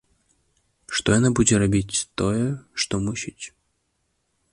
Што яна будзе рабіць тое, што мусіць.